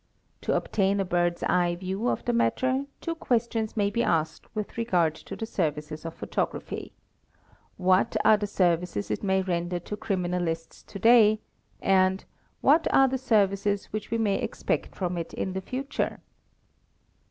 To obtain a bird's eye view of the matter, two questions may be asked with regard to the services of photography: What are the services it may render to criminalists to day ? and What are the services which we may expect from it in the future?